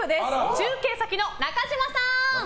中継先の中島さん！